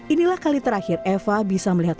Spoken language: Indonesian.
inilah kali terakhir eva bisa melihat